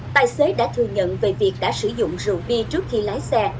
tài xế đã thừa nhận về việc đã sử dụng rượu bia trước khi lái xe